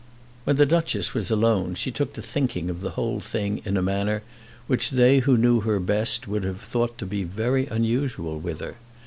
When the Duchess was alone she took to thinking of the whole thing in a manner which they who best knew her would have thought to be very unusual with her.